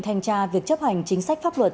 thanh tra việc chấp hành chính sách pháp luật